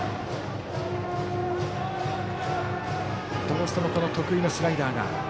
どうしても得意のスライダーが。